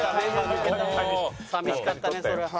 寂しかったねそれ。